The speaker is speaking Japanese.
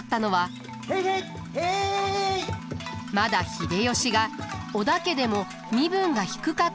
まだ秀吉が織田家でも身分が低かった頃だと考えられます。